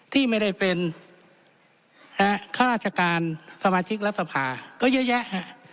ที่ไม่ได้เป็นข้าราชการสมาชิกรัฐสภาก็เยอะแยะ